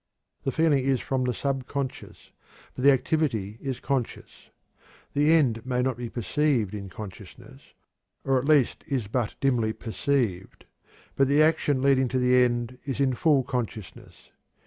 The feeling is from the subconscious, but the activity is conscious. The end may not be perceived in consciousness, or at least is but dimly perceived, but the action leading to the end is in full consciousness.